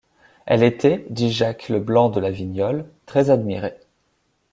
Elle était, dit Jacques Le Blanc de la Vignolle, très admirée.